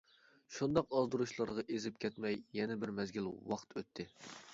شۇنداق ئازدۇرۇشلارغا ئېزىپ كەتمەي يەنە بىر مەزگىل ۋاقىت ئۆتتى.